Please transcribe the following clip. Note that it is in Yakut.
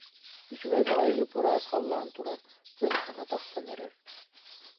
Үчүгэй баҕайы ып-ыраас халлаан турар, күн саҥа тахсан эрэр